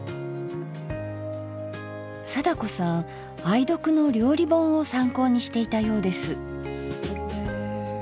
貞子さん愛読の料理本を参考にしていたようです。